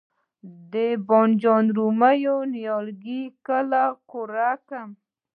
د بانجان رومي نیالګي کله قوریه کړم؟